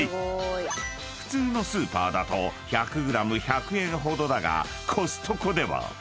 ［普通のスーパーだと１００ｇ１００円ほどだがコストコでは］